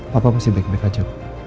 papa pasti baik baik aja